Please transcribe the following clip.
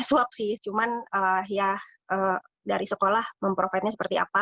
swapsi cuman ah ya dari sekolah memprovokasinya seperti apa